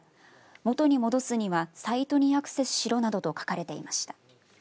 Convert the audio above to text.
元に戻すにはサイトにアクセスしろなどと書かれていました。